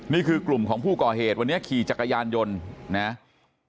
นี่คือกลุ่มของผู้ก่อเหตุวันนี้ขี่จักรยานยนต์นะครับ